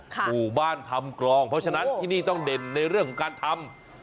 หมู่บ้านทำกรองเพราะฉะนั้นที่นี่ต้องเด่นในเรื่องของการทำ